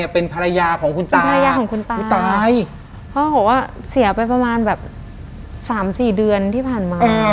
เป็นรูปของยาย